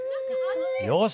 よし。